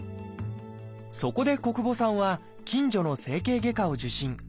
そこで小久保さんは近所の整形外科を受診。